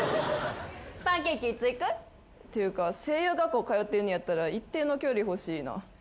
パンケーキいつ行く？っていうか声優学校通ってんねやったら一定の距離欲しいな。